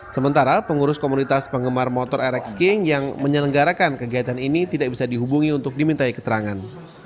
sementara pengurus komunitas penggemar motor rx king yang menyelenggarakan kegiatan ini tidak bisa dihubungi untuk dimintai keterangan